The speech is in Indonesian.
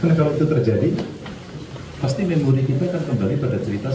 karena kalau itu terjadi pasti memori kita akan kembali pada cerita sembilan puluh delapan